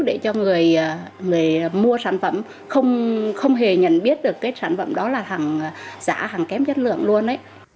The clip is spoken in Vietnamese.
để cho người mua sản phẩm không hề nhận biết được cái sản phẩm đó là hàng giả hàng kém chất lượng luôn